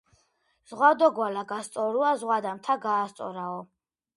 ზღვა დო გვალა გასწორუა."ზღვა და მთა გაასწორაო.